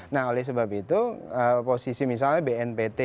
nah oleh sebab itu posisi misalnya bnpt